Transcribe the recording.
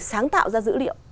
sáng tạo ra dữ liệu